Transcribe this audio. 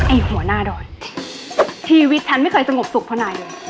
หัวหน้าดอยชีวิตฉันไม่เคยสงบสุขเพราะนายเลย